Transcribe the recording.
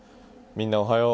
みんなおはよう。